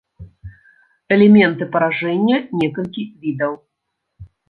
Элементы паражэння некалькі відаў.